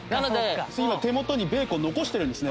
今手元にベーコン残してるんですね